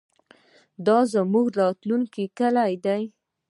دا زموږ د راتلونکي کلي ده.